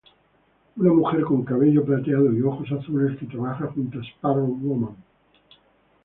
Una mujer con cabello plateado y ojos azules que trabaja junto a Sparrow Woman.